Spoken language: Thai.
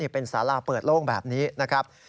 เป็นสาราเปิดโล่งแบบนี้นะครับ